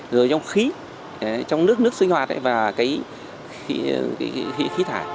rồi trong khí trong nước nước sinh hoạt và cái khí thải